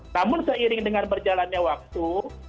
namun seiring dengan berjalannya waktu